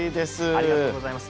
ありがとうございます。